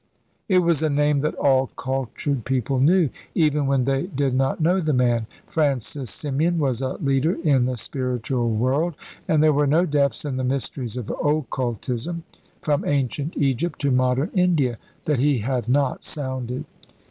It was a name that all cultured people knew, even when they did not know the man. Francis Symeon was a leader in the spiritual world, and there were no depths in the mysteries of occultism, from ancient Egypt to modern India, that he had not sounded.